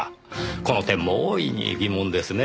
この点も大いに疑問ですねぇ。